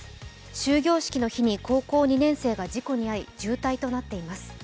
終業式の日に高校２年生が事故に遭い、重体になっています。